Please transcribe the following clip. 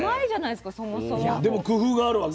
でも工夫があるわけ？